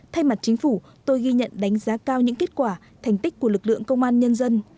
thay mặt chính phủ tôi ghi nhận đánh giá cao những kết quả thành tích của lực lượng công an nhân dân